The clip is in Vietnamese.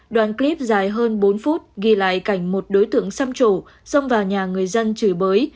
đoạn clip dài hơn bốn phút ghi lại cảnh một đối tượng xăm trổ xô xông vào nhà người dân chửi bới